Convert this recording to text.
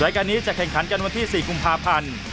การนี้จะแข่งขันกันวันที่๔กุมภาพันธ์